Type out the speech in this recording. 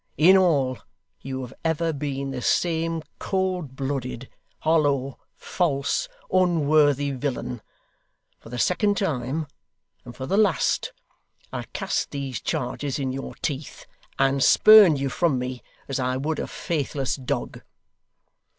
In all, you have ever been the same cold blooded, hollow, false, unworthy villain. For the second time, and for the last, I cast these charges in your teeth, and spurn you from me as I would a faithless dog!